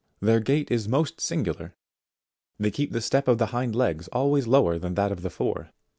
Their gait is most singular ; they keep the step of the hind legs always lower than that of the fore.